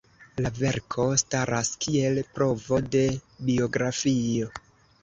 La verko statas kiel provo de biografio.